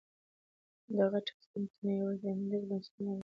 د غچ اخیستنې کینه یوازې د یو ملت بنسټونه له منځه وړي.